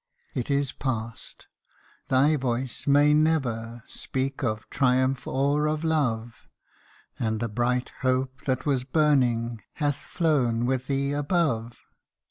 It is past thy voice may never Speak of triumph, or of love ; And the bright hope that was burning Hath flown with thee above.